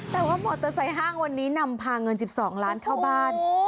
แต่ว่ามอเตอร์ไซค์ห้างวันนี้นำพาเงิน๑๒ล้านเข้าบ้าน